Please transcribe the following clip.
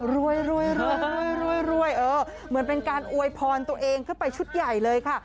รวยเออเหมือนเป็นการอวยพรตัวเองขึ้นไปชุดใหญ่เลยค่ะ